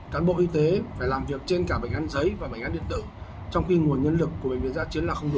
cán bộ y tế phải làm việc trên cả bệnh án giấy và bệnh án điện tử trong khi nguồn nhân lực của bệnh viện gia chiến là một